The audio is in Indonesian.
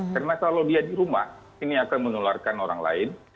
karena kalau dia di rumah ini akan menularkan orang lain